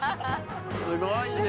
すごいね！